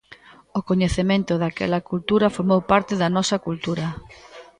O coñecemento daquela cultura formou parte da nosa cultura.